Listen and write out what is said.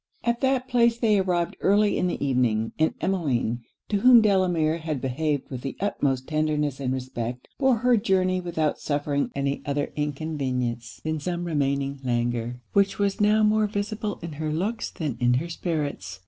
At that place they arrived early in the evening; and Emmeline, to whom Delamere had behaved with the utmost tenderness and respect, bore her journey without suffering any other inconvenience than some remaining languor, which was now more visible in her looks than in her spirits.